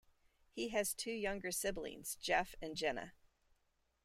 He has two younger siblings, Jeff and Jenna.